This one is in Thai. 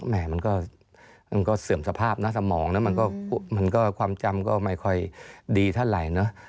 มันก็เสื่อมสภาพนะสมองนะมันก็ความจำก็ไม่ค่อยดีเท่าไหร่นะ